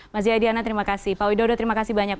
mas jaya diana terima kasih pak widodo terima kasih banyak